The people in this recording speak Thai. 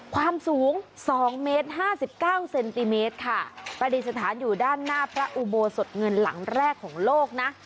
ความสูง๒เมตรห้าสิบเก้าเซนติเมตรค่ะปฏิสถานอยู่ด้านหน้าพระอุโบสถเงินหลังแรกของโลกนะ